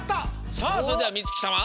さあそれではみつきさま。